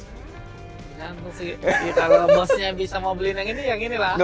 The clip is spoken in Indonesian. ya kalau bosnya bisa mau beliin yang ini ya ginilah